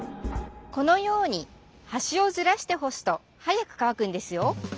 このように端をずらして干すと早く乾くんですよ。